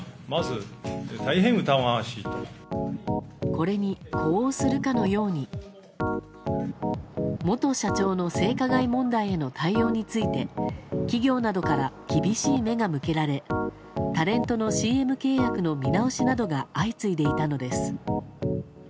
これに呼応するかのように元社長の性加害問題への対応について企業などから厳しい目が向けられタレントのＣＭ契約の見直しなどが相次いでいたのです。